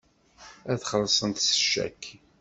Ad xellṣent s ccak.